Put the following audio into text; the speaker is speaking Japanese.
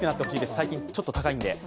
最近ちょっと高いので。